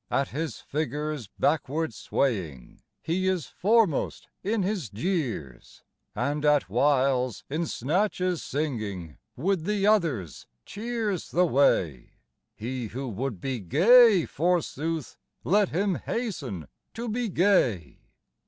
At his figure's backward swaying He is foremost in his jeers ; And at whiles, in snatches singing With the others, cheers the way : He who would be gay, forsooth. Let him hasten to be gay.